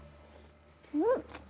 うん！